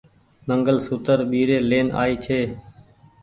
منگل سوتر ٻيري لين آئي ڇي۔